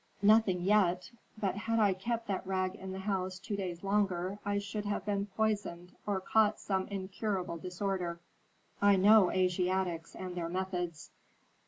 "Nothing yet. But had I kept that rag in the house two days longer, I should have been poisoned, or caught some incurable disorder. I know Asiatics and their methods."